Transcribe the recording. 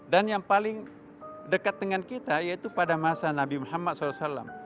dan yang paling dekat dengan kita yaitu pada masa nabi muhammad saw